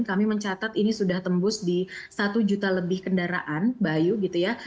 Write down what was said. kami mencatat ini sudah tembus di satu juta lebih kendaraan bayu gitu ya